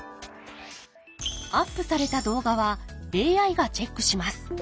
アップされた動画はＡＩがチェックします。